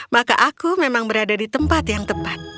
maka aku memang berada di tempat yang tepat